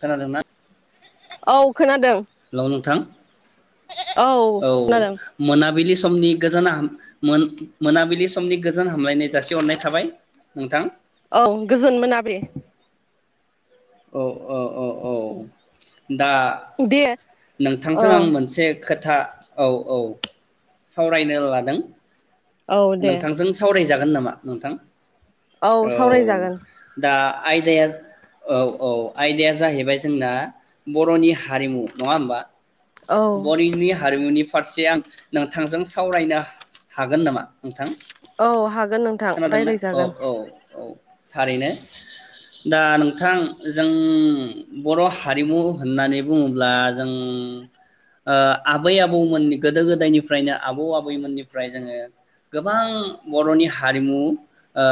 खोनादोंना? औ। खोनादों हेल' नोंथां। औ खोनादों मोनाबिलि समनि गोजोन मोनाबिलि समनि गोजोन हामलायनाय जासिहरनाय थाबाय नोंथां। औ गोजोन मोनाबिलि अ अ अ औ। दा दे औ नोंथांजों आं मोनसे खो खोथा औ औ सावरायनो लादों। औ दे नोंथांजों सावराय ज जागोन नामा नोंथां? औ दा आयदाया औ औ आयदाया जाहैबाय जोंना बर'नि हारिमु नङा होमबा? औ बरिंनि हारिमुनि फारसे आं नोंथांजों सावरायनो हा-हागोन नामा? नोंथां औ हागोन नोंथां खोनादोंना औ रायलायजागोन। औ औ थारैनो दा नोंथां जों बर' हारिमु होननानै बुङोब्ला जों ओ आबै आबौमोननि गोदो गोदायनिफ्रायनो आबौ आबैमोननिफ्राय जोङो गोबां बर'नि हारिमु ओ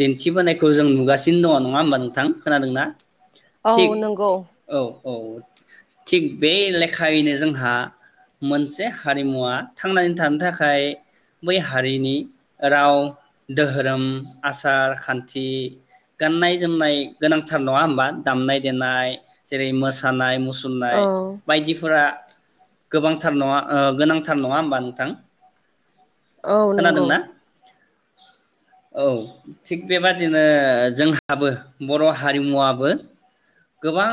दिन्थिबोनायखौ जों नुगासिनो दङ नङा होमबा नोंथां खोनादोंना? औ थिग नंगौ। औ औ थिग बे लेखायैनो जोंहा मोनसे हारिमुवा थांनानै थानो थाखाय बै हारिनि राव, दोहोरोम आसार खान्थि, गाननाय जोमनाय गोनांथार नङा होमबा दामनाय देनाय जेरै-मोसानाय मुसुर मुसुरनाय औ बायदिफोरा गोबांथार नङा ओ गोनांथार नङा होमबा नोंथां? औ नंगौ। खोनादोंना औ थिग बेबादिनो जोंहाबो बर' हारिमुवाबो गोबां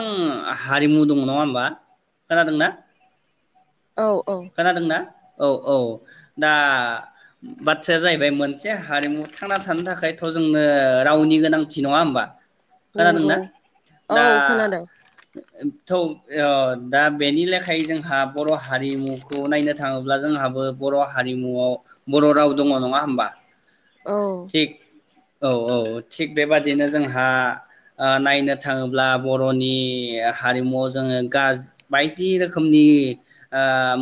हारिमु दङ नङा होमबा खोनादोंना? औ औ खोनादोंना? औ औ दा बाथ्राया जाहैबाय मोनसे हारिमु थांना थानो थाखाय थ' जोंनो ओ रावनि गोनांथि नङा होमबा? नंगौ खोनादोंना औ खोनादों। ओ थौ ओ दा बेनि लेखायै जोंहा बर' हारिमुखौ नायनो थाङोब्ला जोंहाबो बर' हारिमुआव बर' राव दङ नङा होमबा? औ थिग औ औ थिग बेबादिनो जोंहा ओ नायनो थाङोब्ला बर'नि हारिमुआव जोङो गाज बायदि रोखोमनि ओम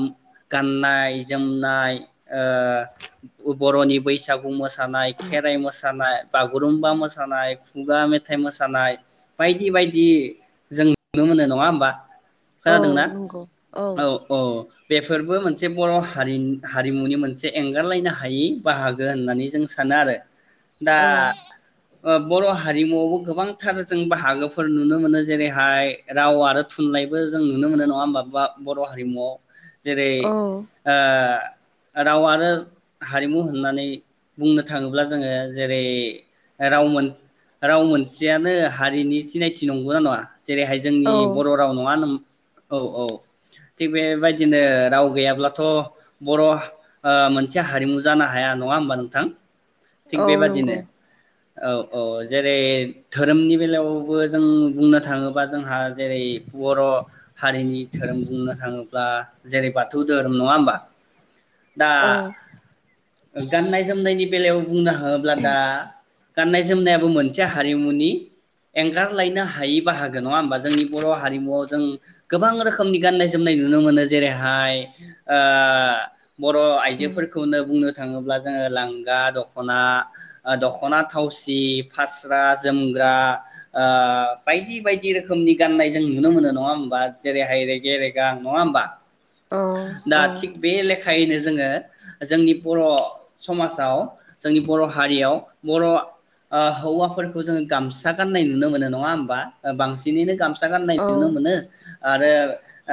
गाननाय जोमनाय ओ बर'नि बैसागु मोसा मोसानाय खेराइ मोसा मोसानाय, बागुरुमबा मोसानाय, खुगा मेथाइ मोसानाय बायदि बायदि जों नुनो मोनो नङा होमबा? औ खोनादोंना नंगौ औ औ बेफोरबो मोनसे बर' हारिनि हारिमुनि मोनसे एंगारलायनो हायै बाहागो होननानै जों सानो आरो दा औ ओ बर' हारिमुआवबो गोबांथार जों बाहागोफोर नुनो मोनो जेरैहाय राव आरो थुनलाइबो जों नुनो मोनो नङा होमबा बर' हारिमुआव जेरै औ ओ राव आरो हारिमु होननानै बुंनो थाङोब्ला जोङो जेरै राव मोन राव मोनसेयानो हारिनि सिनायथि नंगौना नङा? जेरैहाय औ जोंनि बर' राव नङा होनोम औ औ थिग बेबायदिनो राव गैयाब्लाथ' बर' ह ओ मोनसे हारिमु जानो हाया नङा होमबा नोंथां? थिग औ नंगौ बेबादिनो औ औ जेरै धोरोमनि बेलायावबो जों बुंनो थाङोबा जोंहा जेरै बर' हारिनि धोरोम बुंनो थांङोब्ला जेरै बाथौ दोहोरोम नङा होमबा? दा औ गाननाय-जोमनायनि बेलायाव बुंनो थाङोब्ला दा गाननाय-जोमनायाबो मोनसे हारिमुनि एंगारलायनो हायि बाहागो नङा होमबा जोंनि बर' हारिमुआव जों गोबां रोखोमनि गाननाय-जोमनाय नुनो मोनो जेरैहाय ओ बर' औ आइजोफोरखौनो बुंनो नो थाङोब्ला जोङो लांगा दख'ना, दख'ना थावसि, फास्रा जोमग्रा ओ बायदि-बायदि रोखोमनि गाननाय जों नुनो मोनो नङा होमबा जेरैहाय रेगे-रेगा नङा होमबा? औ दा थिक बे ले खायैनो जोङो जोंनि बर' समाजाव जोंनि बर' हारियाव बर' ओ हौवाफोरखौ जोङो गामसा गाननाय नुनो मोनो नङा होमबा बांसिनैनो गामसा गान्नाय नुनो मोनो आरो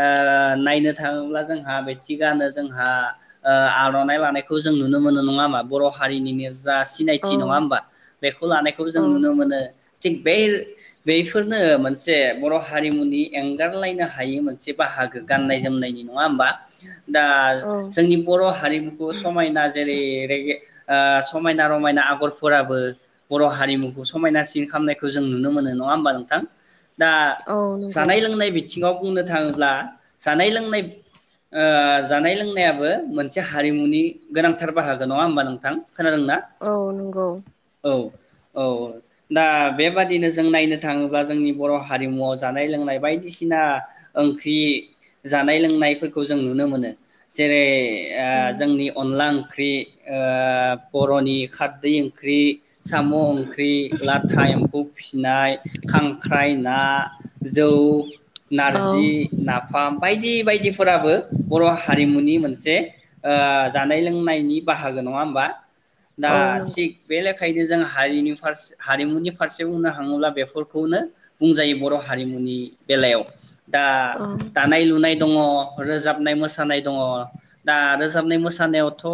ओ नायनो थाङोब्ला जोंहा बे थिगानो जों जोंहा ओ आर'नाइ लानायखौ जों नुनो मोनो नङा होमबा बर' हारिनि नेरसोन जा औ सिनायथि नङा होमबा बेखौ लानायखौबो औ जों नुनो मोनो। थिग बे बेफोरनो मोनसे बर' हारिमुनि एंगारलायनो हायै मोनसे बाहागो गाननाय-जोमनायनि नङा होमबा दा नंगौ जोंनि बर' हारिमुखौ समायना जेरै रेगे ओ समायना रमायना आगरफोराबो बर' हारिमुखौ समायनासिन खालामामनायखौ जों नुनो मोनो नङा होमबा नोंथां? दा जानाय लोंनाय बिथिङाव बुंनो थाङो ब्ला जानाय-लोंनाय ओ जानाय लों नायाबो मोनसे हारिमुनि गोनांथार बाहागो नङा होमबा नोंथां? खोनादों ना? औ नंगौ औ। औ दा बेबादिनो जों नायनो थांङोब्ला जोंनि बर' हारिमुआव जानाय लोंनाय बायदिसिना ओंख्रि जानाय लोंनायफोरखौ जों नुनो मोनो। जेरै ओ जोंनि अनला ओंख्रि। ओ बर'नि खारदै ओं ख्रि, साम' ओंख्रि, लाथा एम्फौ फिसिनाय, खांख्राइ, ना, जौ, नारजि, औ नाफाम बायदि बायदिफोराबो बर' हारिमुनि मोनसे ओ जानाय लोंनायनि बाहागो नङा होमबा? दा औ नंगौ थिग बे लेखा यैनो जों हनि फारसे हारिमुनि फारसे बुंनो थाङोब्ला बेफोरखौनो बुंजायो बर' हारिमुनि बेलायाव दा औ दानाय-लुनाय दङ रोजाबनाय मोसा मोसानाय दङ दा रोजाबनाय मोसानायावथ'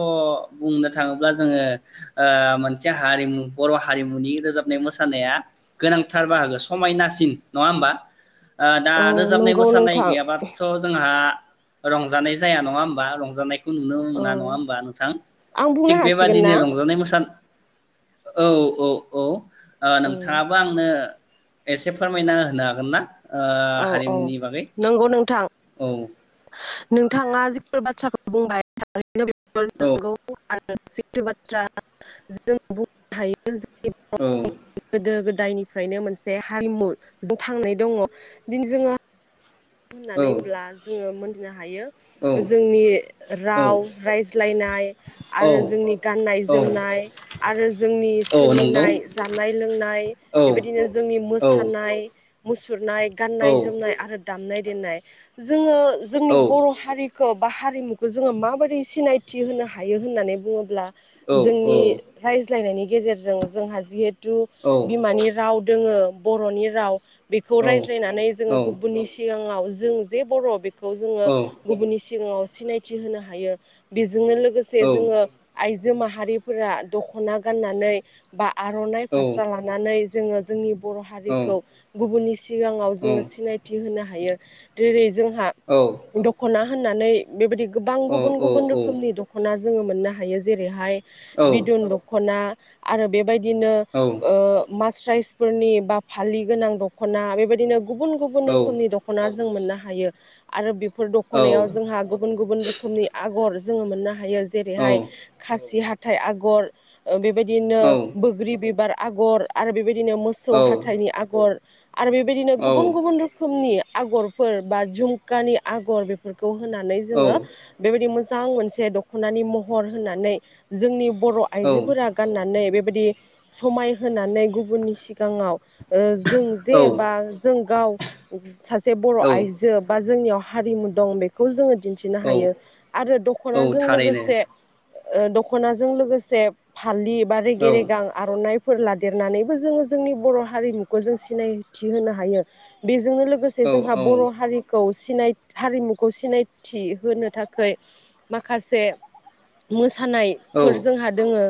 बुंनो थाङोब्ला जोङो ओ मोनसे हारिमु बर' हारिमुनि रोजाबनाय मोसानाया गोनांथार बाहागो समायनासिन नङा होमबा? दा औ रोजाबनाय नंगौ मोसानाय नोंथां गैयाबथ' जोंहा रं रंजानाय जाया नङा होमबा रंजानाय खौ नुनो औ मोना नङा होमबा नोंथां आं बुंनो थिग हासिगोन बेबादिनो ना रंजानाय मोसानाय औ औ औ उम नोंथाङाबो आंनो एसे फोरमायना होनो हागोन ना? ओ औ औ हारिमुनि बागै नंगौ नोंथां औ नोंथाङा जिफोर बाथ्राखौ बुंबाय था नो बेफोर औ नंगौ सैथो बाथ्रा जों बुंनो हायो औ [unintelligible] गोदो गोद दायनिफ्रायनो मोनसे हारिमु बुथांनाय दङ दिनै जोङो औ होननानैब्ला जोङो मोन फिनो हायो। जोंनि राव रायज्लायनाय औ आरो जोंनि गाननाय औ जोमनाय आरो जोंनि औ नंगौ सोलिनाय जानाय लोंनाय औ बेबायदिनो जोंनि औ मोसानाय मुस। गुरनाय औ गाननाय जोमनाय आरो दामनाय देनाय जोङो जोंनि औ बर' हारि खौ बा हारिमुखौ जोङो माबोरै सिनायथि होनो हायो होननानै बुङोब्ला औ औ जोंनि औ हायस स्लायनायनि गेजेरजों जोंहा जिहे तु बिमानि राव जोङो बर'नि राव बेखौ रायज्लायनानै जोङो गुब औ सिगाङाव जों जे बर' बे खौ जोङो गुबुननि सि सिगाङाव सिनायथि होनो हायो बि जोंनो लोगोसे जोङो आइज जो माहारिफोरा दख'ना गाननानै बा आर'नाइ फास्रा लानानै जोङो जोंनि बर' हारिखौ गुबुननि सि सिगाङाव जोङो सिनाय होनो हायो जेरै जों हा दख'ना होननानै बेबायदि गोबां गुबुन गुबुन रोखनि दख'ना जोङो मोननो हायो जेरैहाय बिदुन दख'ना आरो बे बादिनो ओ मास्रा प्राइजफोरनि बा फालि गोनां दख'ना बेबायदिनो गुबुन गुबुन फोर निदख'ना जों मोननो हायो आरो बेफोर फोर दख'नायाव जोंहा गुबुन गुबुन रोखोमनि आगर जो मोननो हायो हायो औ जेरैहाय खासि हा थाय आगर ओ बेबायदिनो औ औ बोग्रि बिबार आगर आरो बेबायदि बिदिनो औ मोसौ हाथाइनि आगर आरो बेबायदिनो गुबुन गुबुन रोखो नि आगरफोर बा झुमकानि आगर बेफोरखौ खौ होनानै जोङो बेबायदि मो मोजां मोनसे दख'नानि महर होननानै जोंनि बर' औ आइजोफोरा गाननानै बे बादि समाय होनानै गुबुननि सिगाङाव ओ जों जे बा जों गाव सासे बर' औ आइजो बा जोंनियाव हारिमु दं बेखौ जोङो दिन्थिनो औ हायो आरो औ दख'नाजों थारैनो लोगोसे ओ दख'नाजों लोगोसे फा फालि एबा रेगे औ रेगां आर'नाइ फोर लादेरनानैबो जोङो जोंनि बर' हारिमुखौ जों सिनायथि होनो हायो। जोंनो लोगोसे औ जोंहा बर' हारिखौ सिनाय हारिमुखौ सिनायथि होनो थाखाय माखासे मोसा औ सानायफोर जोंहा दोङो।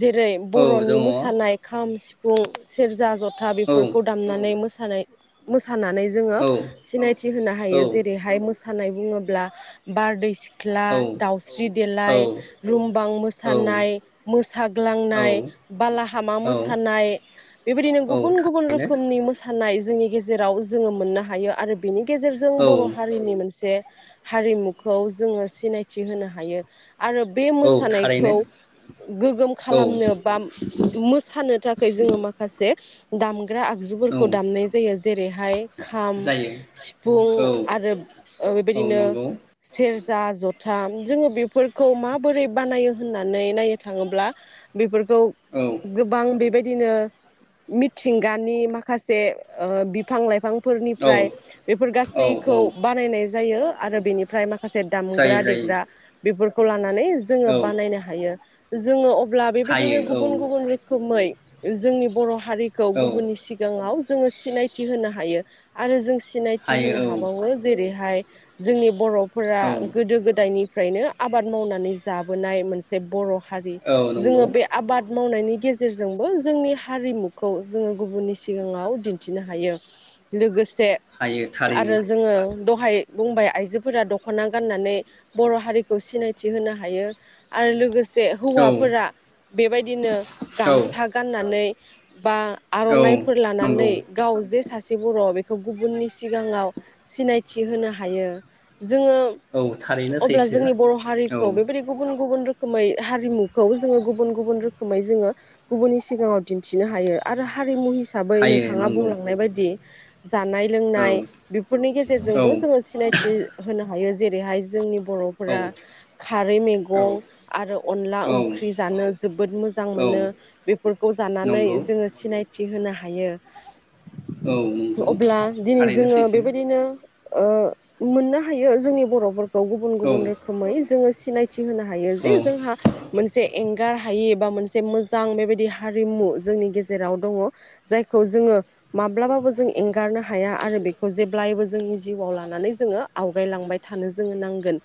जेरै औ बर'नि दङ औ मोसानाय खाम सिफुं बुं सेरजा जथ था औ बेफोरखौ दामनानै मोसानाय [inaudible] मो मोसानानै जोङो औ सिनायथि होनो हायो औ जेरैहाय मो नाय बुङोब्ला बारदै सि ख्ला औ थारैनो औ दाउस्रि देलाय औ रुमबां मोसानाय मोसाग्लांनाय बालाहामा मोसानाय बेबायदिनो गुबुन गुबुन रोखोमनि मोसा नाय जोंनि गेजे जेराव जोङो मोननो हायो आरो बेनि गेजेरजों बर' हारिनि मोनसे हारिमुखौ जोङो सिनायथि होनो हायो। आरो बे मोसानायखौ थारैनो गोग्गोम औ खालामनो बा मोसानो थाखाय जोङो माखासे दाम दामग्रा आगजुफोरखौ औ दामनाय जायो। जेरैहाय खाम जायो सिफुं औ आरो औ बेबायदिनो नंगौ सेर जा जथा जोङो बेफोरखौ माबोरै बानायो होननानै नायनो थाङोब्ला बेफोर खौ औ गोबां बेबाय दिनो मिथिंगानि माखासे ओ बिफां लाइफां औ फोरनिफ्राय बेफोर औ औ गासैखौ बानायनाय जायो। आरो बेनिफ्राय मा माखासे जायो दामग्रा जायो देग्रा बेफोर नानै जोङो औ बानायनो हायो। जोङो अब्ला हायो बेबायदिनो औ गुबुन गुबुन रोखोमै जोंनि बर' हारिखौ औ गुबुननि सिगाङाव जोङोसि सिनायथि होनो हायो आरो जों सि सिनायथि होनो हायो हाबावो जेरैहाय जोंनि बर' फोरा औ गोदो गोदायनि फ्रायनो आबाद मावनानै जाबोनाय मोनसे बर' हारि औ जोङो नंगौ बे आबाद मावनायनि गेजेरजोंबो जोंनि हारिमुखौ जोङो गुबुननि सिगाङाव दिन थिनो हायो लोगोस थे हायो थारैनो आरो जोङो दहाय बुंबाय आइजोफोरा दख'ना गाननानै बर' हारिखौ सिनायथि होनो हायो आरो लोगोस जे औ हौवाफोरा बेबायदिनो औ गामसा गाननानै बा औ आर'नाइफोर नंगौ लानानै जे सासे बर' बेखौ गुबुननि सिगाङाव सिनायथि होनो हायो। जोङो औ थारैनो अब्ला सैथो जोंनि बर' औ हारिखौ बेबायदि गुबुन गुबुन रोख खोमै हारिमुखौ जोङो गुबुन गुबुन रोखोमै जोङो गुबुननि सिगाङाव दिन्थिनो हायो आरो हारिमु हिस थाबै नो हायो थाङा नंगौ बुंलांनाय बायदि [inaudible] जानाय औ लोंनाय बेफोरनि औ गेजेरजोंबो जोङो सिनायथि होनो हायो जेरैहाय जोंनि औ बर'फोरा खारै मेगं आरो अनला औ ओंख्रि जानो जोबोद मोजां औ मोनो बेफोरखौ जानानै नंगौ जोङो सिनाय थि होनो हायो। औ नंगौ अब्ला दिनै थारैनो जोङो सैथो बेबायदिनो ओ मोननो हायो जोंनि बर'फोर [unintelligible] गुबुन औ गुबुन रोखोमै जोंङो सि थि होनो हायो जे औ जोंहा मोनसे एं गार हायि एबा मोनसे मोजां बेबायदि हारिमु जोंनि गेजेराव दङ जाय खौ जोङो माब्लाबाबो जों एंगारनो हाया आरो बेखौ जेब्लायबो जोंनि जिउआव लानानै जोङो आवगायलांबाय थानो जोङो नांगोन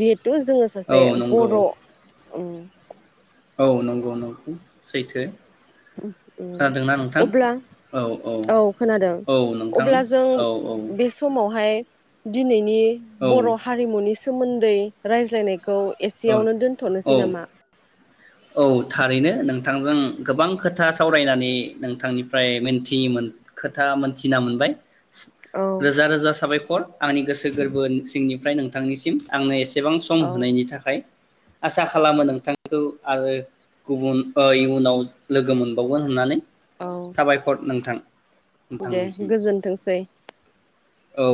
जि थु जोङो सासे औ नंगौ बर' उम औ नंगौ नंगौ सैथो। खोनादोंना [unintelligible] उ नोंथां अब्ला औ खोनादों औ नोंथां अब्ला जों औ औ बे समावहाय दिनैन बे औ बर' हारिमुनि सो सोमोन्दै रायज्लायनाय खौ औ एसेयावनो दोन्थ'नोसै औ नामा औ थारैनो नोंथांजों गोबां खोथा सावरायनानै नोंथांनिफ्राय मोनथिमोन खोथा मोनथिना मोनबाय औ रोजा रोजा साबाय खर आंनि गोसो गोरबो सिंनिफ्राय नोंथांनिसिम आंनो एस एसेबां सम औ होनायनि थाखाय आसा खालामो नोंथांखौ आरो गुबुन ओ इयुनाव लोगो मोनबावगोन होननानै औ साबायखर नोंथां दे नोंथांनिसिम गोजोनथोंसै औ